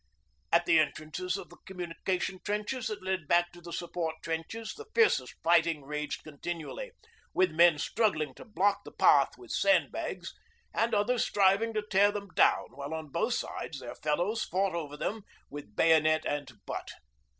At the entrances of the communication trenches that led back to the support trenches the fiercest fighting raged continually, with men struggling to block the path with sandbags and others striving to tear them down, while on both sides their fellows fought over them with bayonet and butt.